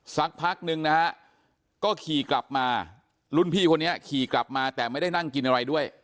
สักพักนึงนะฮะก็ขี่กลับมารุ่นพี่คนนี้ขี่กลับมาแต่ไม่ได้นั่งกินอะไรด้วย